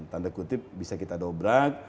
tanda kutip bisa kita dobrak